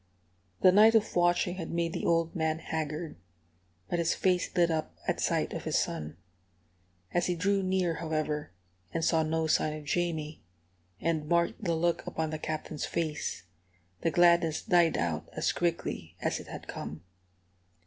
The night of watching had made the old man haggard, but his face lit up at sight of his son. As he drew near, however, and saw no sign of Jamie, and marked the look upon the Captain's face, the gladness died out as quickly as it had come.